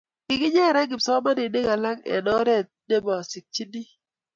Kikinyere kipsomaninik alak eng' oret na masikchini.